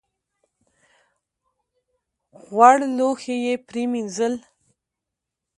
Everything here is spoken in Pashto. غوړ لوښي یې پرېمینځل .